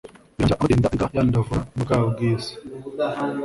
birangira amuteye inda ahita yandavura bwa bwiza